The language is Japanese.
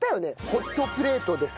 ホットプレートでさ。